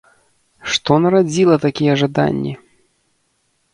Што нарадзіла такія жаданні?